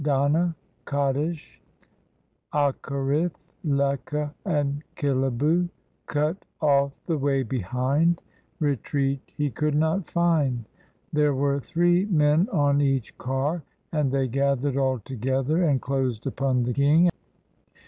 EG\TT Qazauadana, Kadesh, Akerith, Leka and Khilibu — Cut off the way behind, Retreat he could not find; There were three men on each car, And they gathered all together, and closed upon the king.